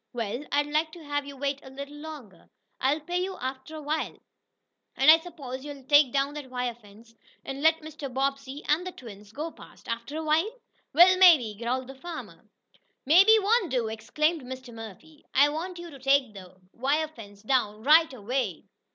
"Well, I'd like to have you wait a little longer. I'll pay you after a while." "And I suppose you'll take down that wire fence, and let Mr. Bobbsey and the twins go past after a while?" "Well maybe," growled the mean farmer. "Maybe won't do!" exclaimed Mr. Murphy. "I want you to take the wire fence down RIGHT AWAY."